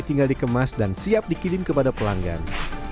tinggal dikemas dan siap dikirim kepada pelanggan